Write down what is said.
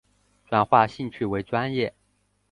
转化兴趣为专业